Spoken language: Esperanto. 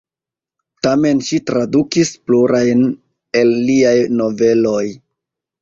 Tamen ŝi tradukis plurajn el liaj noveloj.